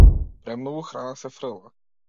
Премногу храна се фрла.